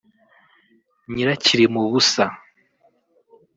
nyirakirimubusa